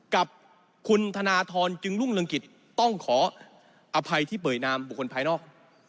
กับคุณธนทรจึงรุ่งเรืองกิจต้องขออภัยที่เป่ยนามบุคคลภายนอก